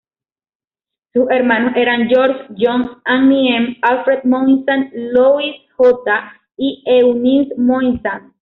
Su hermanos eran George, John, Annie M., Alfred Moisant, Louise J. y Eunice Moisant.